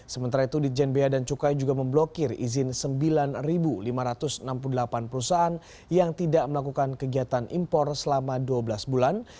sementara itu ditjen bea dan cukai juga memblokir izin sembilan lima ratus enam puluh delapan perusahaan yang tidak melakukan kegiatan impor selama dua belas bulan